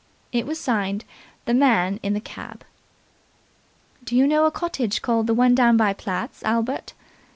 It was signed "The Man in the Cab". "Do you know a cottage called 'the one down by Platt's', Albert?"